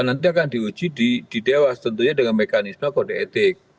nanti akan diuji di dewas tentunya dengan mekanisme kode etik